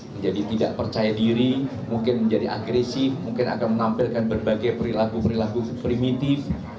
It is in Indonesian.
menjadi tidak percaya diri mungkin menjadi agresif mungkin akan menampilkan berbagai perilaku perilaku primitif